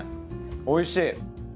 おいしい。